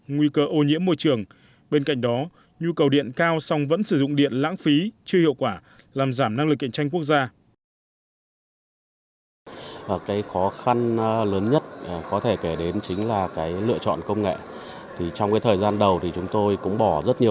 nhu cầu điện cao xong vẫn sử dụng điện lãng phí chưa hiệu quả làm giảm năng lực kiện tranh quốc gia